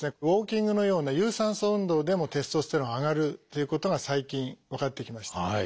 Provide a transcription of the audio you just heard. ウォーキングのような有酸素運動でもテストステロン上がるということが最近分かってきました。